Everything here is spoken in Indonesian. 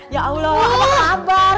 ya allah apa kabar